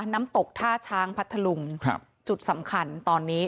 น้ำตกท่าช้างพัทธลุงครับจุดสำคัญตอนนี้